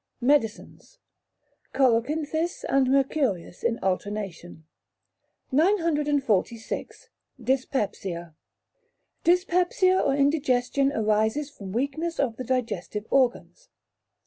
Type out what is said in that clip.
Medicines. Colocynthis and Mercurius in alternation. 946. Dyspepsia Dyspepsia or Indigestion arises from weakness of the digestive organs.